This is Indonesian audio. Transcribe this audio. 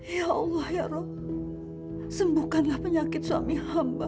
ya allah ya rob sembuhkanlah penyakit suami hamba